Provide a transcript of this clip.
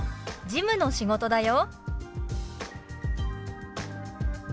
「事務の仕事だよ」。